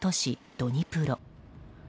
ドニプロ。